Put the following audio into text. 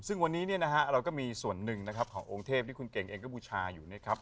ซึ่งวันนี้เราก็มีส่วนหนึ่งขององค์เทพที่คุณเก่งเองก็บูชาอยู่นะครับ